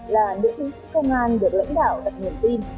là những chiến sĩ công an được lãnh đạo đặt niềm tin